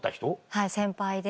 はい先輩で。